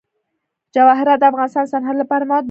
جواهرات د افغانستان د صنعت لپاره مواد برابروي.